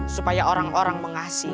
supaya orang orang mengasihi